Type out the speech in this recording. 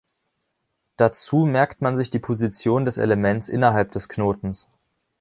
Dazu merkt man sich die Position des Elements innerhalb des Knotens.